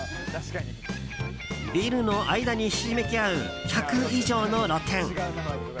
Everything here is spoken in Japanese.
ビルの間にひしめき合う１００以上の露店。